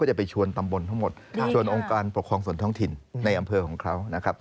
ก็ได้ไปชวนตำบลทั้งหมดชวนองค์การปล่องความสนทั้งถิ่นในอำเภาของเท้านะครับ